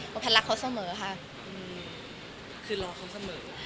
คือแพทย์รักเขาเสมอค่ะ